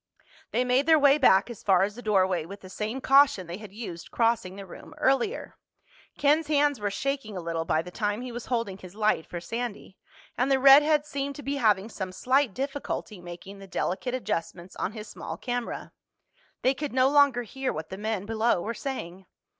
They made their way back as far as the doorway with the same caution they had used crossing the room earlier. Ken's hands were shaking a little by the time he was holding his light for Sandy, and the redhead seemed to be having some slight difficulty making the delicate adjustments on his small camera. They could no longer hear what the men below were saying.